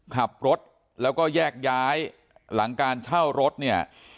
ขับรถแล้วก็แยกย้ายหลังการเช่ารถเนี่ย